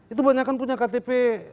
itu banyak kan punya ktp